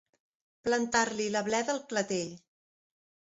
Plantar-li la bleda al clatell.